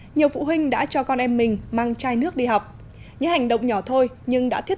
nhiều phụ huynh đã cho con em mình mang chai nước đi học những hành động nhỏ thôi nhưng đã thiết